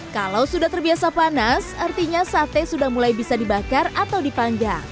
kalau sudah terbiasa panas artinya sate sudah mulai bisa dibakar atau dipanggang